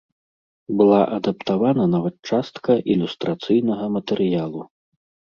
Была адаптавана нават частка ілюстрацыйнага матэрыялу.